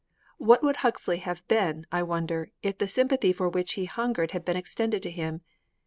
What would Huxley have been, I wonder, if the sympathy for which he hungered had been extended to him?